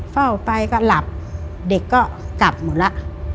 เฝ้าไปก็หลับเด็กก็กลับหมดแล้ว